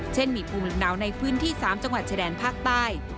เช่นมีภูมิหนาวในพื้นที่๓จังหวัดชายแดนภาคใต้